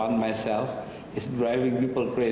yang keempat saya sendiri mengembangkan orang orang